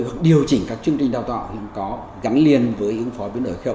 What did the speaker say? hoặc điều chỉnh các chương trình đào tạo gắn liền với ứng phó với biến đổi khí hậu